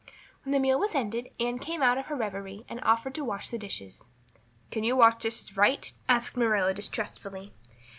When the meal was ended Anne came out of her reverie and offered to wash the dishes. "Can you wash dishes right?" asked Marilla distrustfully.